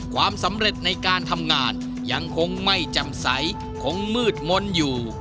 ความสำเร็จในการทำงานยังคงไม่จำใสคงมืดมนต์อยู่